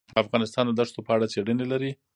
افغانستان د دښتو په اړه څېړنې لري.